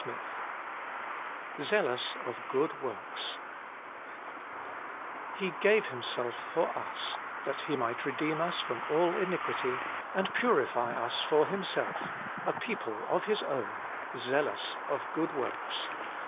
XXI Jealous ot Ooo^ Wiovks ' He gave Himself for us, that He might redeem us from all iniquity, and purify us for Himself, a people of His own, zealous of good works.'